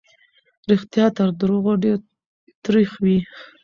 رښتيا تر دروغو ډېر تريخ وي.